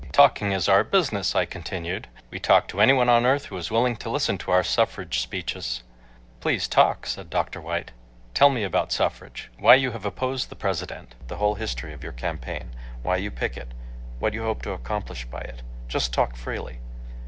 "Talking is our business," I continued, "we talk to any one on earth who is willing to listen to our suffrage speeches." "Please talk," said Dr. White. "Tell me about suffrage; why you have opposed the President; the whole history of your campaign, why you picket, what you hope to accomplish by it. Just talk freely."